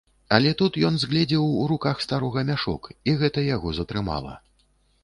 Але тут ён згледзеў у руках у старога мяшок, і гэта яго затрымала.